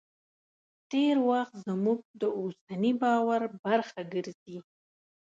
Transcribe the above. تېر وخت زموږ د اوسني باور برخه ګرځي.